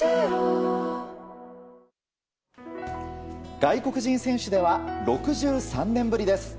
外国人選手では６３年ぶりです。